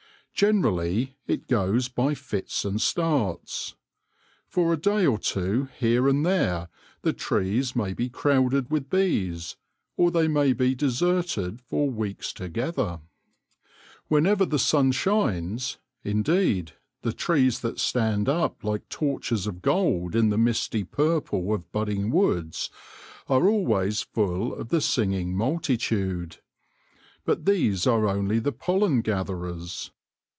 Generally it goes by fits and starts. For a day or two here and there the trees may be crowded with bees, or they may be deserted for weeks together. Whenever the sun shines, indeed, the trees that stand up like torches of gold in the misty purple of budding woods, are always full of the singing multitude ; but these are only the pollen gatherers.